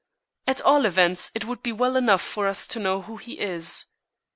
"At all events it would be well enough for us to know who he is."